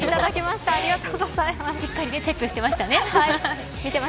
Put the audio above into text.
しっかりチェックしていましたね。